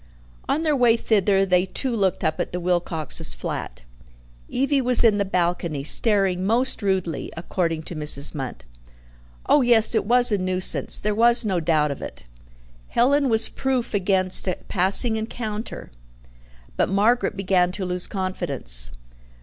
On their way thither they too looked up at the Wilcoxes' flat. Evie was in the balcony, "staring most rudely," according to Mrs. Munt. Oh yes, it was a nuisance, there was no doubt of it. Helen was proof against a passing encounter but Margaret began to lose confidence.